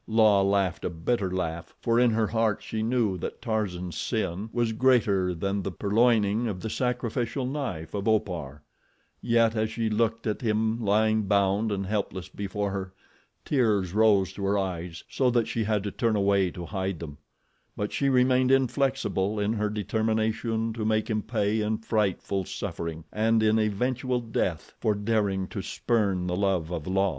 La laughed a bitter laugh, for in her heart she knew that Tarzan's sin was greater than the purloining of the sacrificial knife of Opar; yet as she looked at him lying bound and helpless before her, tears rose to her eyes so that she had to turn away to hide them; but she remained inflexible in her determination to make him pay in frightful suffering and in eventual death for daring to spurn the love of La.